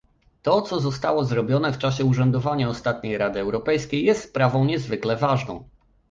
To, co zostało zrobione w czasie urzędowania ostatniej Rady Europejskiej jest sprawą niezwykle ważną